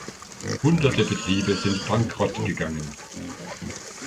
Hunderte Betriebe sind bankrottgegangen.